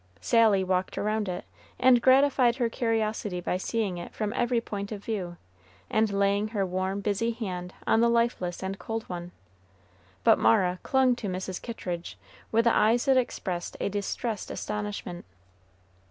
Sally walked around it, and gratified her curiosity by seeing it from every point of view, and laying her warm, busy hand on the lifeless and cold one; but Mara clung to Mrs. Kittridge, with eyes that expressed a distressed astonishment.